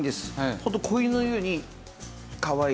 ホント子犬のようにかわいい。